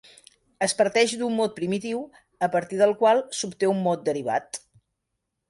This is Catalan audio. Es parteix d'un mot primitiu, a partir del qual s'obté un mot derivat.